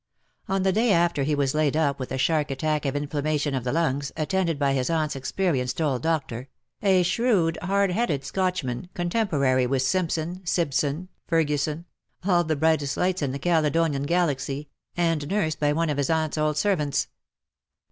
On the day after he was laid up with a sharp attack of inflammation of the lungs, attended by his aunt's experienced old doctor — a shrewd hard headed Scotchman, contemporary with Simpson, Sibson, Fergusson — all the brightest lights in the Caledonian galaxy — and nursed by one of his aunt 's old servants.